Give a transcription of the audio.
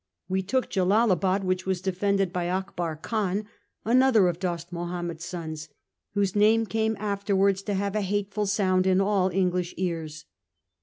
We took Jellalabad, which was defended by Akbar Khan, another of Dost Mahomed's sons, whose name came afterwards to have a hateful sound in all English ears.